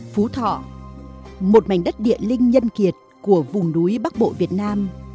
phú thọ một mảnh đất địa linh nhân kiệt của vùng núi bắc bộ việt nam